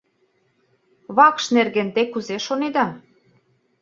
— Вакш нерген те кузе шонеда?